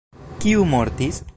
Kiu mortis?